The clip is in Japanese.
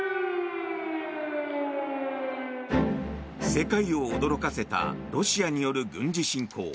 世界を驚かせたロシアによる軍事侵攻。